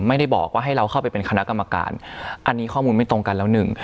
ไม่ได้บอกว่าให้เราเข้าไปเป็นคณะกรรมการอันนี้ข้อมูลไม่ตรงกันแล้วหนึ่ง